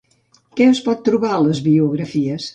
Què es pot trobar a les biografies?